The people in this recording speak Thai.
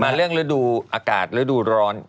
เรื่องฤดูอากาศฤดูร้อน